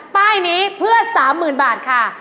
ป้ายนี้เพื่อสามหมื่นบาทค่ะ